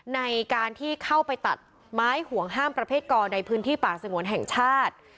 ในการที่เข้าไปตัดไม้ห่วงห้ามประเภทกรในพื้นที่ป่าสงวนแห่งชาติ